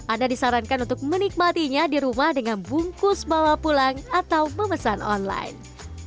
anda disarankan untuk menikmatinya di rumah dengan bungkus bawa pulang atau memesan online